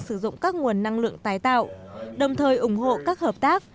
sử dụng các nguồn năng lượng tái tạo đồng thời ủng hộ các hợp tác